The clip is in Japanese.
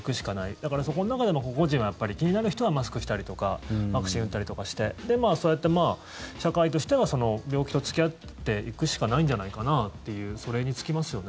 だから、そこの中でも個々人は気になる人はマスクしたりとかワクチン打ったりとかしてそうやって、社会としては病気と付き合っていくしかないんじゃないかなっていうそれに尽きますよね。